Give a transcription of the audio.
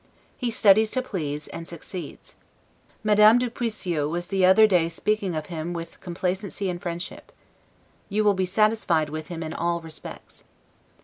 He studies to please, and succeeds. Madame du Puisieux was the other day speaking of him with complacency and friendship. You will be satisfied with him in all respects."